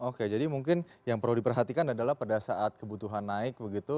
oke jadi mungkin yang perlu diperhatikan adalah pada saat kebutuhan naik begitu